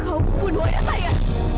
kau membunuh ayah saya